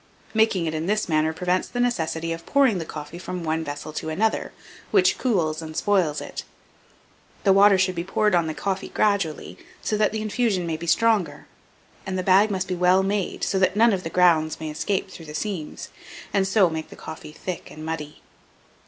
Making it in this manner prevents the necessity of pouring the coffee from one vessel to another, which cools and spoils it. The water should be poured on the coffee gradually, so that the infusion may be stronger; and the bag must be well made, that none of the grounds may escape through the seams, and so make the coffee thick and muddy.